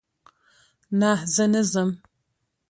نه، زه نه ځم